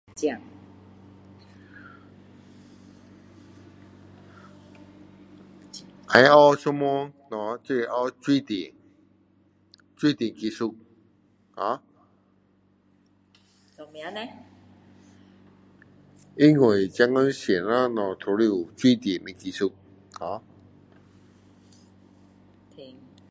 讲要学一门东西就是水电水电技术 ho 做什么叻因为现今什么东西都要有水电的技术 ho okay